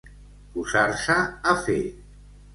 Posar-se a fer.